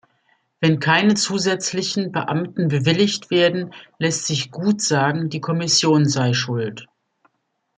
Wenn keine zusätzlichen Beamten bewilligt werden, lässt sich gut sagen, die Kommission sei schuld.